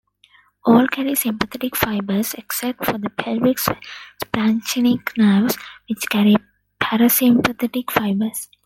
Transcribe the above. All carry sympathetic fibers except for the pelvic splanchnic nerves, which carry parasympathetic fibers.